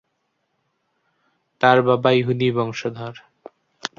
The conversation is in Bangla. তার বাবা ইহুদী বংশধর।